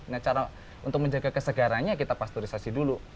nah cara untuk menjaga kesegarannya kita pasturisasi dulu